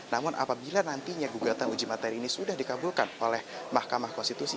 namun apabila nantinya gugatan uji materi ini sudah dikabulkan oleh mahkamah konstitusi